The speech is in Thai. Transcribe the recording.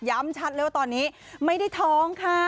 ชัดเลยว่าตอนนี้ไม่ได้ท้องค่ะ